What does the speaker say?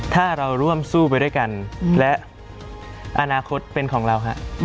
ถ้าเราร่วมสู้ไปด้วยกันและอนาคตเป็นของเรา